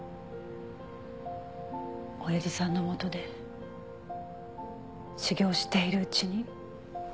おやじさんのもとで修業しているうちに。